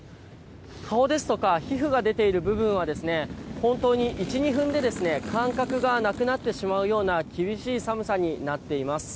顔ですとか皮膚が出ている部分は本当に１２分で感覚がなくなってしまうような厳しい寒さになっています。